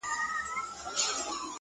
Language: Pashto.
خدايه هغه داسي نه وه’